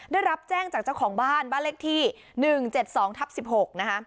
ได้รับแจ้งจากเจ้าของบ้านบ้านเลขที่๑๗๒ทับ๑๖นะคะ